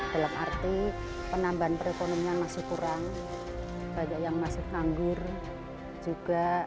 dalam arti penambahan perekonomian masih kurang banyak yang masih nganggur juga